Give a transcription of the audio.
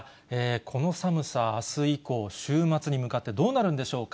この寒さ、あす以降、週末に向かってどうなるんでしょうか。